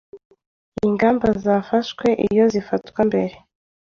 ingamba zafashwe iyo zifatwa mbere